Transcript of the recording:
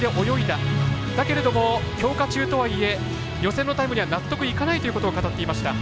だけれども、強化中とはいえ予選のタイムには納得いかないということを語っていました。